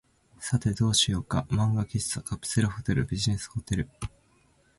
さて、どうしようか。漫画喫茶、カプセルホテル、ビジネスホテル、